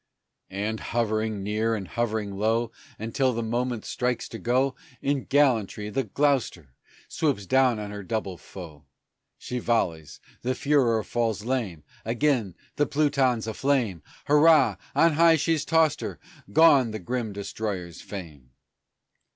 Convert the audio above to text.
And, hovering near and hovering low Until the moment strikes to go, In gallantry the Gloucester swoops down on her double foe; She volleys the Furor falls lame; Again and the Pluton's aflame, Hurrah, on high she's tossed her! Gone the grim destroyers' fame!